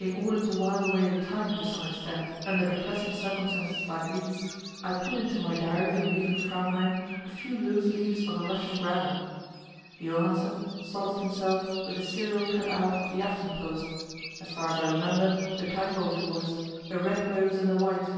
In order to while away the time to some extent under depressing circumstances like these, I put into my diary on leaving Framheim a few loose leaves of a Russian grammar; Johansen solaced himself with a serial cut out of the Aftenpost; as far as I remember, the title of it was "The Red Rose and the White."